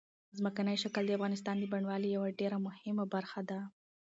ځمکنی شکل د افغانستان د بڼوالۍ یوه ډېره مهمه برخه ده.